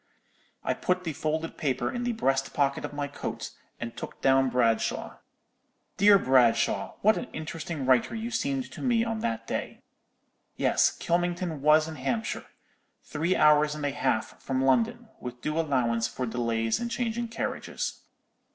"I put the folded paper in the breast pocket of my coat, and took down Bradshaw. Dear Bradshaw, what an interesting writer you seemed to me on that day! Yes, Kylmington was in Hampshire; three hours and a half from London, with due allowance for delays in changing carriages.